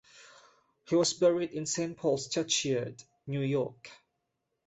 He was buried in Saint Paul's churchyard, New York.